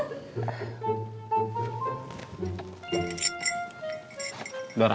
alhamdulillah kalau sudah lihat